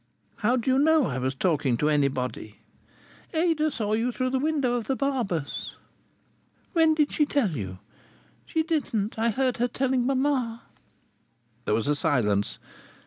"How do you know I was talking to anybody?" "Ada saw you through the window of the barber's." "When did she tell you?" "She didn't. I heard her telling mamma." There was a silence.